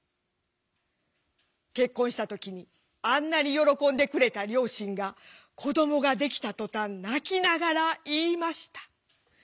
結婚した時にあんなに喜んでくれた両親が子どもができたとたん泣きながら言いました。